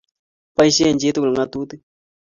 boisien chitugul ng'atutik.